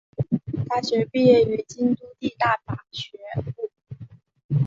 大学毕业于京都帝大法学部。